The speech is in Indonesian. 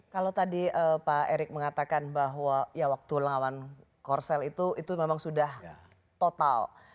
kalau tadi pak erick mengatakan bahwa ya waktu lawan korsel itu itu memang sudah total